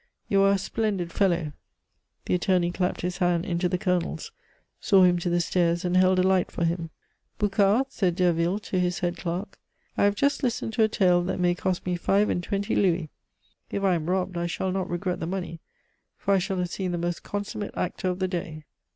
You are a splendid fellow!" The attorney clapped his hand into the Colonel's, saw him to the stairs, and held a light for him. "Boucard," said Derville to his head clerk, "I have just listened to a tale that may cost me five and twenty louis. If I am robbed, I shall not regret the money, for I shall have seen the most consummate actor of the day."